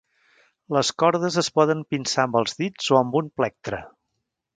Les cordes es poden pinçar amb els dits o amb un plectre.